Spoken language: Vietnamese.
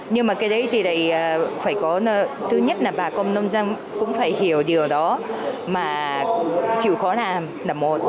nhưng mà cái đấy thì phải có thứ nhất là bà con nông dân cũng phải hiểu điều đó mà chịu khó làm là một